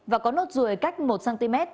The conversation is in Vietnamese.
và có nốt ruồi cách một cm